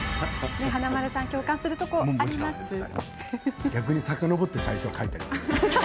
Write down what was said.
華丸さん共感するところありませんか。